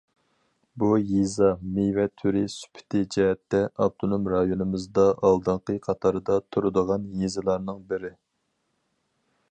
بۇ يېزا مېۋە تۈرى، سۈپىتى جەھەتتە ئاپتونوم رايونىمىزدا ئالدىنقى قاتاردا تۇرىدىغان يېزىلارنىڭ بىرى.